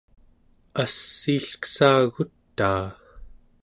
assiilkessagutaa